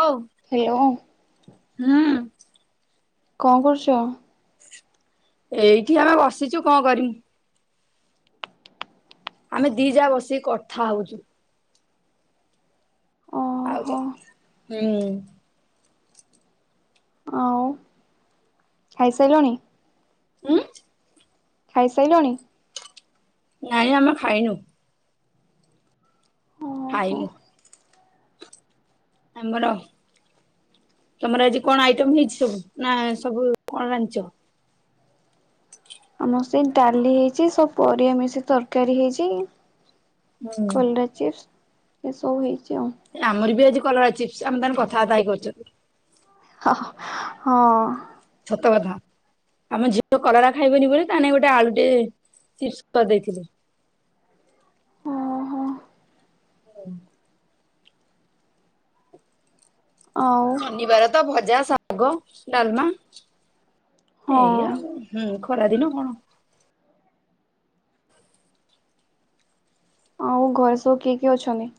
ହଉ ହ୍ୟାଲୋ ହୁଁ। କଣ କରୁଛ? ଏଇଠି ଆମେ ବସିଛୁ କଣ କରି ମୁଁ? ଆମେ ଦି ଯା ବସିକି କଥା ହଉଛୁ। ଆଉ ଓହୋ ତ ହୁଁ। ଆଉ ଖାଇସାଇଲଣି। ଉଁ। ଖାଇସାଇଲଣି? ନାଇଁ ଆମେ ଖାଇନୁ। ଓହୋ ଖାଇନୁ। ଆମର ତମର ଆଜି କଣ ଆଇଟମ ହେଇଛି ସବୁ ନା ସବୁ କଣ ରାନ୍ଧିଚ? ଆମର ସେଇ ଡାଲି ହେଇଛି ସବୁ ପରିବା ମିଶି ତରକାରୀ ହେଇଛି। ହୁଁ କଲରା ଚିପ୍ସ ଏସବୁ ହେଇ ଆମର ବି ଆଜି କଲରା ଚିପ୍ସ ଆମେ ତାହେନେ କଥାବାର୍ତ୍ତା ହେଇ କରଛନ୍ତି। ହଁ। ସତ କଥା। ଆମ ଝିଅ କଲରା ଖାଇବନି ବୋଲି ତା ନାଗି ଗୋଟେ ଆଳୁଟେ ଚିପ୍ସ କରିଦେଇଥିଲି। ଓହୋ [inaudible] ଆଉ ଶନିବାର ତ ଭଜା, ଶାଗ, ଡାଲମା। ଏଇ ହଁ ଆଉ ହୁଁ ଖରାଦିନ କଣ? ଆଉ ଘରେ ସବୁ କିଏ କିଏ ଅଛନ୍ତି?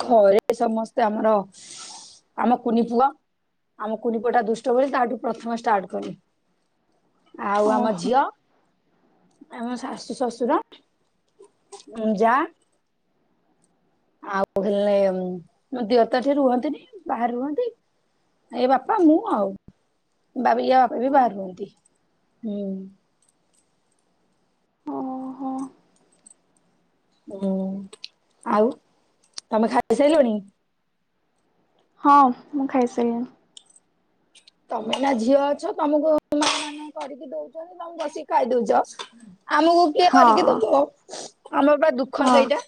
ଘରେ ସମସ୍ତେ ଆମର ଆମ କୁନି ପୁଅ। ଆମ କୁନି ପୁଅ ଟା ଦୁଷ୍ଟ ବୋଲି ତାଠୁ ପ୍ରଥମେ ଷ୍ଟାର୍ଟ କଲି। ଆଉ ଆମ ଓହୋ ଝିଅ। ଆଉ ମୋ ଶାଶୁ, ଶଶୁର, ଯା। ଆଉ ହେଲେ ମୋ ଦିଅର ତ ଏଠି ରୁହନ୍ତିନି ବାହାରେ ରୁହନ୍ତି। ଏଇ ବାପା ମୁଁ ଆଉ। ବାୟା ବାପା ବି ବାହାର ରୁହନ୍ତି ହୁଁ। ଓହୋ ହୁଁ ଆଉ ତମେ ଖାଇସାଇଲଣି? ହଁ ମୁଁ ଖାଇସାରିଲିଣି। ତମେ ଏଇନା ଝିଅ ଅଛ ତମକୁ ମା ମାନେ କରିକି ଦଉଛନ୍ତି ତମେ ବସିକି ଖାଇ ଦଉଛ। ଆମକୁ କିଏ କରିକି ହଁ ଦବ ଆମର ପା ଦୁଃଖ ହଁ ସେଇଟା।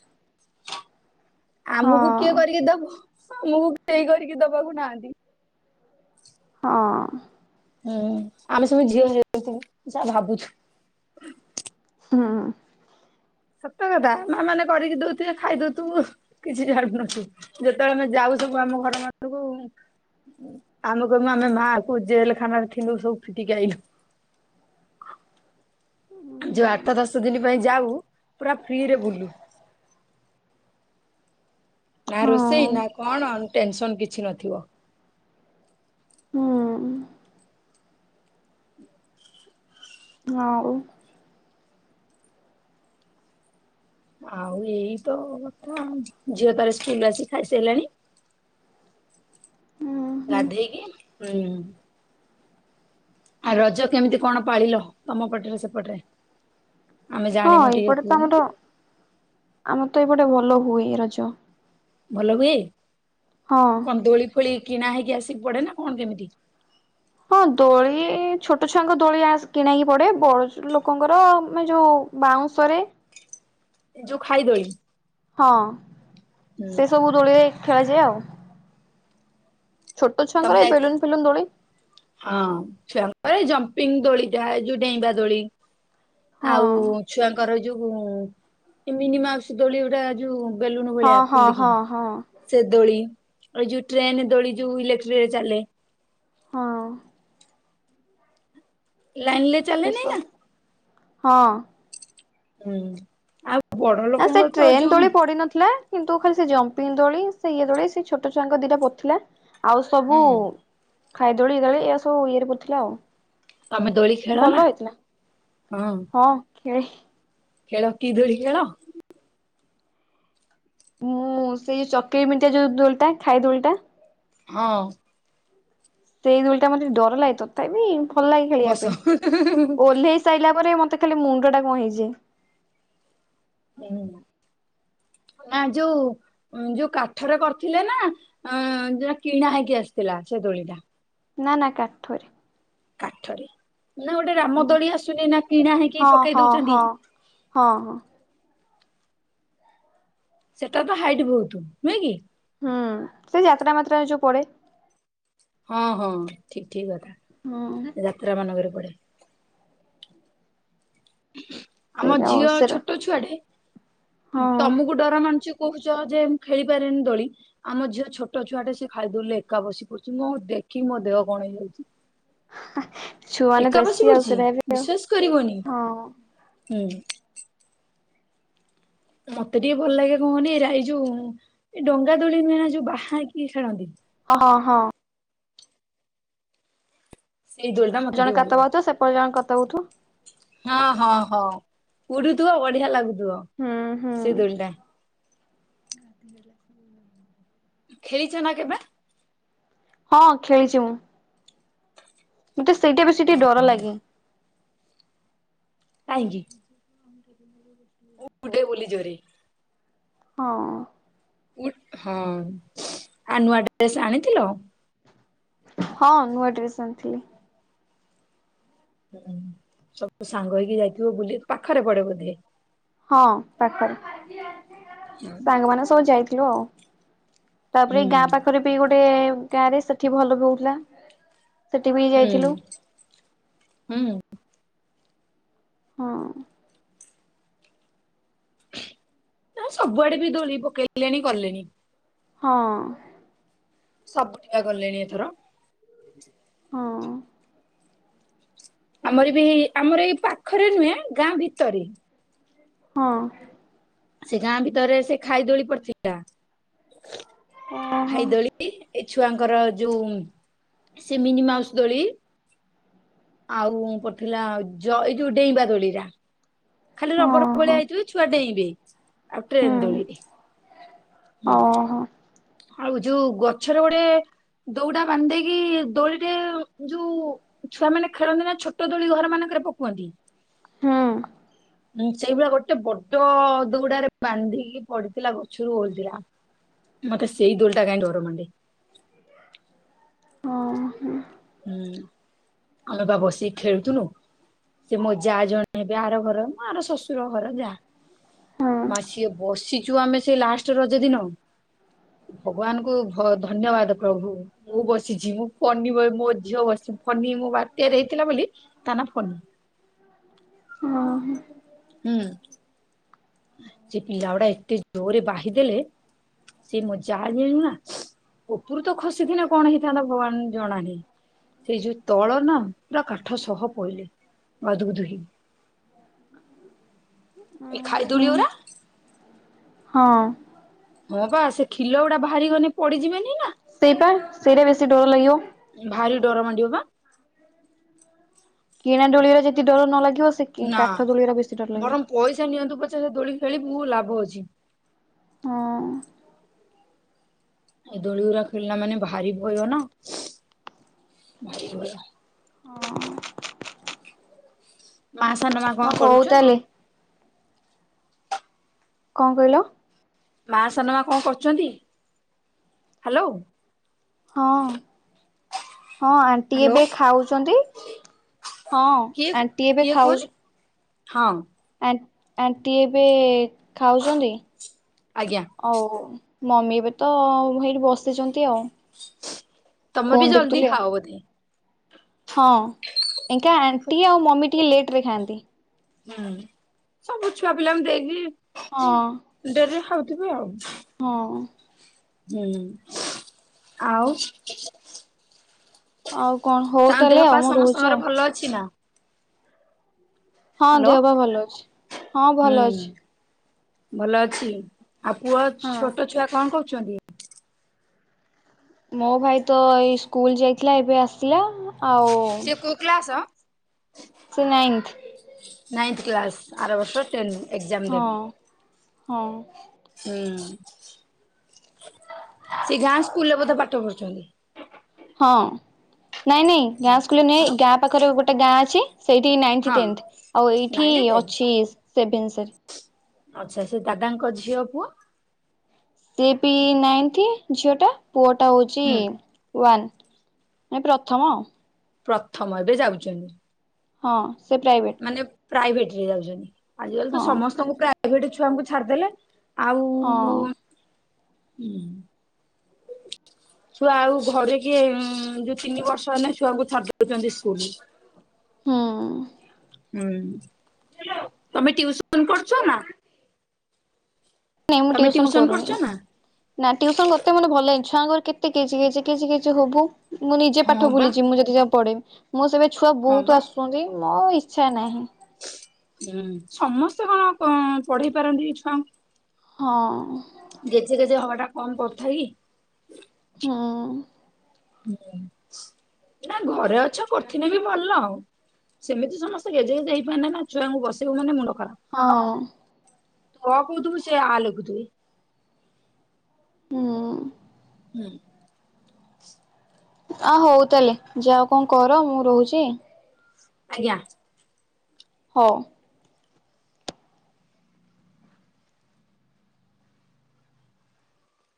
ହଁ ଆମକୁ କିଏ କରିକି ଦବ ଆମକୁ କେହି କରିକି ଦବାକୁ ନାହାନ୍ତି। ହଁ। ହୁଁ ଆମେ ସବୁ ଝିଅ ହୋଇଯାଇଥିନୁ ଯାହା ଭାବୁଚି। ହଁ। ସତ କଥା ମା ମାନେ କରିକି ଦଉଥିବେ ଖାଇ ଦଉଥିବୁ କିଛି ଜାଣୁନଥିବୁ ଯେତେବେଳେ ଆମେ ଯାଉ- ସବୁ ଆମ ଘର ମାନଙ୍କୁ ଆମେ କହିବୁ ଆମେ ମାଆ କୋଉ ଜେଲ ଖାନାରେ ଥିଲୁ ସବୁ ଫିଟିକି ଆଇଲୁ। ଯୋଉ ଆଠ ଦଶ ଦିନ ପାଇଁ ଯାଉ ପୁରା ଫ୍ରିରେ ବୁଲୁ। ନା ହଁ ରୋଷେଇ ନା କଣ ଟେନସନ କିଛି ନଥିବ। ହୁଁ। ହଉ। ଆଉ ଏଇ ତ କଥା ଝିଅ ତାର ସ୍କୁଲ ଆସି ଖାଇସାରିଲାଣି। [unintelligible] ହୁଁ ହୁଁ ଗାଧେଇକି ହୁଁ। ଆଉ ରଜ କେମିତି କଣ ପାଳିଲ ତମ ପଟରେ ସେପଟରେ? ଆମେ ହଁ ଜାଣିନୁ ଟିକେ ଏଇପଟେ ତ କୁହନି ଆମର ଆମର ତ ଏଇପଟେ ଭଲ ହୁଏ ରଜ। ଭଲ ହୁଏ ହଁ। କଁ ଦୋଲିଫୋଳି କିଣା ହେଇକି ଆସିକି ପଡେ ନା କଣ କେମିତି? ହଁ ଦୋଳି ଛୋଟ ଛୁଆଙ୍କ ଦୋଳି ଆ କିଣା ହେଇକି ପଡେ ବୟସ ଲୋକଙ୍କର ମାନେ ଯୋଉ ବାଉଁଶରେ। ଏ ଯୋଉ ଖାଇଦୋଳି। ହଁ ହୁଁ ସେସବୁ ଦୋଳିରେ ଖେଳାଯାଏ ଆଉ। ତମେ ଛୋଟଛୁଆଙ୍କର ଯାଇ ବେଲୁନ୍ ଫେଲୁନ୍ ଦୋଳି। ହଁ ଛୁଆଙ୍କର ଜମ୍ପିଙ୍ଗ ଦୋଳି ଥାଏ ଯୋଉ ଡେଇଁବା ଦୋଳି। ହଁ ଆଉ ଛୁଆଙ୍କର ଯୋଉ ମିନିମାଉସ୍ ଦୋଳି ଓରା ଯୋଉ ବେଲୁନୁ ଭଳିଆ ହଁ ହଁ ଫୁଲିକି ହଁ ହଁ। ସେ ଦୋଳି ଏ ଯୁ ଟ୍ରେନ ଦୋଳି ଯୁ ଇଲେକ୍ଟ୍ରିକରେ ଚାଲେ। ହଁ। ଲାଇନ ଲେ ଚାଲେ ଶେଷ ନାଇଁ ନା। ହଁ। ହୁଁ ଆଉ ବଡ ନା ସେ ଲୋକଙ୍କର ତ ଟ୍ରେନ ଯୋଉ ଦୋଳି ପଡିନଥିଲା। କିନ୍ତୁ ଖାଲି ସେ ଜମ୍ପିଂ ଦୋଳି ସେ ଇଏ ଦଳି ସେ ଛୋଟ ଛୁଆଙ୍କ ଦିଟା ପଡିଥିଲା। ଆଉ ସବୁ ହୁଁ ଖାଇଦୋଳି- ଦୋଳି ଏୟା ସବୁ ଇଏରେ ପଡିଥିଲା ଆଉ। ତମେ ଦୋଳି ଖେଳ ନା ଭଲ ହେଇଥିଲା ହଁ ଖେଳି ଖେଳ କି ଦୋଳି ଖେଳ। ମୁଁ ସେଇ ଯୋଉ ଚକଇ ମିଣ୍ଟିଆ ଯୋଉ ଦୋଳିଟା ଖାଇ ଦୋଳିଟା। ହଁ। ସେଇ ଦୁଳିଟା ମୋତେ ଡର ଲାଗେ ତଥାପି ଭଲ ଲାଗେ ଖେଳିବା ବସ ପାଇଁ ଓହ୍ଲେଇ ସାରିଲା ପରେ ମ ମତେ ଖାଲି ମୁଣ୍ଡ ଟା କଣ ହେଇଯାଏ। ହୁଁ। ନା ଯୋଉ -ଯୋଉ କାଠରେ କରିଥିଲେ ନା ଏଁ-ଯୋଉଟା କିଣା ହେଇକି ଆସିଥିଲା ସେ ଦୋଳିିଟା। ନା ନା କାଠରେ। କାଠରେ। ନା ଗୋଟେ ରାମ ହୁଁ ଦୋଳି ଆସୁନି ନା କିଣା ହେଇକି ହଁ ପକେଇ ହଁ ଦଉଛନ୍ତି। ହଁ ହଁ ହଁ। ସେଟା ତ ହାଇଟି ବହୁତ ନୁହେଁ କି? ହୁଁ ସେ ଯାତ୍ରାମାତ୍ରାରେ ଯୋଉ ପଡ଼େ। ହଁ ହଁ ଠିକ୍ ଠିକ୍ କଥା ହୁଁ ଯାତ୍ରା ମାନଙ୍କରେ ପଡେ। ଆମ ସେଇଟା ଆଉ ଝିଅ ସେଟା ଛୋଟ ଛୁଆଟେ ହଁ। ତମକୁ ଡର ମାଡୁଛି କହୁଛ ଯେ ଖେଳି ପାରେନି ଦୋଳି ଆମ ଝିଅଛୋଟ ଛୁଆଟେ ସେ ଖାଳି ଦୋଳି ଏକା ବସି ପଡୁଛି ମୁଁ ଦେ ଦେଖିକି ମୋ ଦେହ କଣ ହେଇଯାଉଛି। ହେଁ ହେଁ ଛୁଆମାନେ ଏକା ବସି ବେଶି ଆଉ ପଡୁଛି ସେଇଟା ବି ଆଉ ବିଶ୍ଵାସ କରିବନି ହଁ। ହୁଁ। ମତେ ଟିକେ ଭଲ ଲାଗେ କହନି ରା ଏଇ ଯୋଉ ଏ ଡଙ୍ଗା ଦୋଳି ନୁହେ ନା ଯୋଉ ବାହା ହେଇକି ଖେଳନ୍ତି। ହଁ ହଁ ହଁ। ସେଇ ଦୋଳି ଟା ମତେ ଜଣେ ଟିକେ ଭଲ କାତ ଲାଗେ। ବାହୁଥିବ ସେପଟେ ଜଣେ କତା ବହୁଥିବ। ହଁ ହଁ ହଁ ଉଡୁଥୁବ ବଢିଆ ଲାଗୁଥୁବ ହୁଁ ସେ ଦୋଳି ଟା। ରାତି ହେଲା ସବୁ। ଖେଳିଛ ନା କେବେ। ହଁ ଖେଳିଛି ମୁଁ। ମତେ ସେଇଟା ବେଶୀ ଟିକେ ଡର ଲାଗେ। କାହିଁକି। ଉଡେ ବୋଲି ଜୋରେ। ହଁ। ଉ ହଁ ଆଉ ନୂଆ ଡ୍ରେସ ଆଣିଥିଲ? ହଁ ନୂଆଡ୍ରେସ୍ ଆଣିଥିଲି। ହୁଁ ସବୁ ସାଙ୍ଗ ହେଇକି ଯାଇଥିବ ବୁଲିବାକୁ ପାଖରେ ପଡେ ବୋଧେ। ହଁ ପାଖରେ ହୁଁ ସାଙ୍ଗମାନେ ସବୁ ଯାଇଥିଲୁ ଆଉ। ତାପରେ ଏ ଗାଁ ପାଖରେ ବି ଗୋଟେ ଗାଁ ରେ ସେଠି ଭଲ ବି ହଉଥିଲା। ସେଠି ବି ହୁଁ ଯାଇଥିଲୁ ହୁଁ। ହଁ। ନାଇ ସବୁଆଡେ ବି ଦୋଳି ପକେଇଲେଣି କଲେଣି। ହଁ। ସବୁ ଟିକେ କଲେଣି ଏଥର। ହଁ। ଆମର ବି ଆମର ଏଇ ପାଖରେ ନୁହେଁ ଗାଁ ଭିତରେ। ହଁ। ସେ ଗାଁ ଭିତରେ ସେ ଖାଇ ଦୋଳି ପଡିଥିଲା ଓହୋ ଖାଇ ଦୋଳି। ଏ ଛୁଆଙ୍କର ଯୋଉ ସେ ମିନି ମାଉସ ଦୋଳି। ଆଉ ପଡିଥିଲା ଜ ଏଇ ଯୋଉ ଡେଇଁବା ଦୋଳି ଟା। ଖାଲି ହଁ ରବର ଭଳିଆ ହଁ ହେଇଥିବ ଛୁଆ ଡେଇଁବେ। ଆଉ ଟ୍ରେନ୍ ହୁଁ ଦୋଳି ହୁଁ। ଓହୋ ଆଉ ଯୋଉ ଗଛର ଗୋଟେ। ଦଉଡା ବାନ୍ଧ ଦେଇକି ଦୋଳିରେ ଯୋଉ ଛୁଆ ମାନେ ଖେଳନ୍ତି ନା ଛୋଟ ଦୋଳି ଘର ମାନ କେରେ ପୋକୁଅନ୍ତି। ହୁଁ। ହଁ ସେଇଭଳିଆ ଗୋଟେ ବଡ ଦଉଡାରେ ବାନ୍ଧିକି ପଡିଥିଲା ଗଛରୁ ଓହଳି ଥିଲା। ହ ମତେ ସେଇ ଦୋଳି ଟା କାଇଁ ଡର ମାଣ୍ଡେ। ହଁ ହଁ। ହୁଁ ଆମେ ପା ବସିକି ଖେଳୁଥୁନୁ। ସେ ମୋ ଯା ଜଣେ ହେବେ ଆର ଘର ମୋ ଆର ଶଶୁର ଘର ଯା। ହଁ। ମା ସିଏ ବସିଛୁ ଆମେ ସେ ଲାଷ୍ଟ ରଜ ଦିନ। ଭଗବାନଙ୍କୁ ଧ-ଧନ୍ୟବାଦ ପ୍ରଭୁ ମୁଁ ବସିଛି ମୁଁ ପଡନି ଝିଅ ବସିଛି ଫନି ମୋ ବାତ୍ୟାରେ ହେଇଥିଲା ବୋଲି ତା ନା ଫନି। ହଁ ହୁଁ। ସେ ପିଲା ଗୁଡା ଏତେ ଜୋରରେ ବାହି ଦେଲେ ସେ ମୋ ଯା ଯିଏ ନା ଉପରୁ ତ ଖସିଥିଲେ କଣ ହେଇଥାନ୍ତା ଭଗବାନ ଜଣା ନାହିଁ। ସେଇ ଯୋଉ ତଳ ନା ପୁରା କାଠ ସହ ପଇଲେ ଗାଦ ଗୁଦୁ ହେଇକି। ଏ ଖାଇ ଦୁଳି ଗୁରା। ହଁ। ହଁ ବା ସେ କ୍ଷିଲ ଗୁଡ଼ା ବାହାରି ଗନେ ପଡ଼ି ଯିବେନି। ସେଇପା ସେଇଟା ବେଶି ଡର ଲାଗିବ। ଭାରି ଡର ମାଡିବ ବା। କିଣା ଡୋଳିରା ଯଦି ଡର ନ ଲାଗେ ନା ବରଂ ପଇସା ନିଅନ୍ତୁ ପଛେ ସେ ଦୋଳି ଖେଳିବୁ ଲାଭ ଅଛି। ହଁ। ଏ ଦୋଳିଗୁରା ଖେଳିଲା ମାନେ ଭାରି ଭୟ ନା। ଭାଇ ଭୟ। ମା ସାନ ମା ହଁ କଣ ହଉ କରୁଛନ୍ତି? ତାହେଲେ କଁ କହିଲ? ମା ସାନମା କଣ କରୁଛନ୍ତି? ହ୍ୟାଲୋ। ହଁ। ହଁ ଆଣ୍ଟି ହାଲୋ ଏବେ ଖାଉଛନ୍ତି। ହଁ କିଏ ଆଣ୍ଟି ଏବେ କିଏ କୁହନି? ଖାଉଛ ହଁ ଆଣ୍ଟି ଏବେ ଖାଉଛନ୍ତି ଆଜ୍ଞା ଆଉ ମମି ଏବେ ତ ହେଇଠି ବସିଛନ୍ତି ଆଉ। ତମର ଫୋନ ବି ଜଲଦି ଦେଖୁଥିଲେ ଆଉ। ଖାଅ ବୋଧେ? ହଁ ଏଇକା ଆଣ୍ଟି ଆଉ ମମି ଟିକେ ଲେଟରେ ଖାଆନ୍ତି। ହୁଁ ସବୁ ଛୁଆ ପିଲାଙ୍କୁ ହଁ ଦେଇକି ଡେରିରେ ଖାଉଥିବେ ଆଉ। ହଁ। ହୁଁ ଆଉ ଆଉ କଣ ହଉ ତାଙ୍କ ତାହେଲେ ଦେହ ଆଉ ପା ମୁଁ ରହୁଛି ସମସ୍ତଙ୍କର ଆଉ। ଭଲ ଅଛି ନା? ହଁ ହାଲୋ ଦେହ ପା ଭଲ ଅଛି ହଁ ଭଲ ହୁଁ। ଅଛି। ଭଲ ଅଛି ଆଉ ପୁଅ ହଁ। ଛୋଟ ଛୁଆ କଣ କରୁଛନ୍ତି? ମୋ ଭାଇ ତ ଏଇ ସ୍କୁଲ ଯାଇଥିଲା ଏବେ ଆସିଲା ଆଉ ସେ କୋଉ କ୍ଲାସ? ସେ ନାଈଁନ୍ଥ। କ୍ଲାସ ଆର ବର୍ଷ ଟେନ୍‌ ଏକଜାମ ହଁ ଦେବି ହଁ ହୁଁ। [inaudible] ସେ ଗାଁ ସ୍କୁଲରେ ବୋଧେ ପାଠ ପଢୁଛନ୍ତି? ହଁ ନାଇଁ ନାଇଁ ଗାଁ ସ୍କୁଲ ନୁହେଁ ଗାଁ ପାଖରେ ଗୋଟେ ଗାଁ ଅଛି। ସେଇଠି ନାଇନ୍ଥ ହଁ ଟେନ୍ଥ ଆଉ ଏଇଠି ନାଇନ୍ ଅଛି ସେଭେନସ ଆଛା ସେ ଦାଦାଙ୍କ ଝିଅ ପୁଅ? ସେ ବି ନାଇନ୍ଥି ଝିଅ ଟା ପୁଅ ଟା ହଉଛି ହୁଁ ୱାନ। ଏ ପ୍ରଥମ ଅ। ପ୍ରଥମ ଏବେ ଯାଉଛନ୍ତି। ହଁ ସେ ପ୍ରାଇଭେଟ। ମାନେ ପ୍ରାଇଭେଟ ରେ ଯାଉଛନ୍ତି ଆଜି କାଲି ତ ହଁ ସମସ୍ତଙ୍କୁ ପ୍ରାଇଭେଟ ଛୁଆଙ୍କୁ ଛାଡିଦେଲେ। ହଁ ଆଉ [inaudible] ଛୁଆ ଆଉ ଘରେ କିଏ ଯୋଉ ତିନି ବର୍ଷ ହେନେ ଛୁଆକୁ ଛାଡି ଦଉଛନ୍ତି ସ୍କୁଲ। ହୁଁ। ହୁଁ ତମେ ଟିଉସନ କରୁଛ ନା? ନାଇଁ ମୁଁ ତମେ ଟିଉସନ କରୁନି କରୁଛ ନା ନା ଟିଉସନ କରତେ ମତେ ଭଲ ଲାଗେନି। ଛୁଆଙ୍କର କେତେ କିଛି କେଚି କିଚି କିଚି ହବୁ ମୁଁ ନିଜେ ପାଠ ହଁ ବା ଭୁଲି ଯିବି ମୁଁ ଯଦି ଯା ପଢେଇଵି। ମୁଁ ସେବେ ଛୁଆ ହଁ ବହୁତ ବା ଆସୁଛନ୍ତି ମୋ ଆଉ ଇଚ୍ଛା ନାହିଁ। ହୁଁ ସମସ୍ତେ କଣ ପଁ ପଢେଇ ପାରନ୍ତି ଏଇ ଛୁଆଙ୍କୁ। ହଁ। ଗେଜେ ଗେଜେ ହବା ଟା କମ୍ କଥା କି। ହଁ। ହୁଁ ନା ଘରେ ଅଛ କରିିଥିନେ ବି ଭଲ ସେମିତି ସମସ୍ତେ ଗେଜେ ଗେଜେ ହେଇପରନେନା ଛୁଆଙ୍କୁ ବସେଇବୁ ମାନେ ମୁଣ୍ଡ ଖ ହଁ। ତୁ ଅ କଉଥିବୁ ସେ ଆ ଲେଖୁଥିବେ। ହୁଁ। ହୁଁ ଆ ହଉ ତାହେଲେ ଯାଅ କଣ କର ମୁଁ ରହୁଚି। ଆଜ୍ଞା। ହଉ।